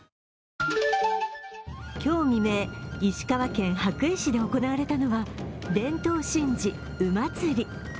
今日未明、石川県羽咋市で行われたのは伝統神事、鵜祭。